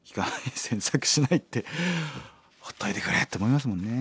詮索しないってほっといてくれって思いますもんね。